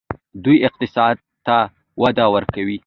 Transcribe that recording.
دوی اقتصاد ته وده ورکوي.